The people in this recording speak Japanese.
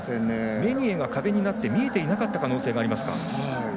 メニエが壁になって見えていなかった可能性がありますか。